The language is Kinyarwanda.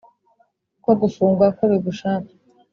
uko gufungwa ko bigushaka,